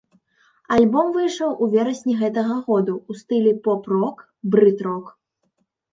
Альбом выйшаў у верасні гэтага году ў стылі поп-рок, брыт-рок.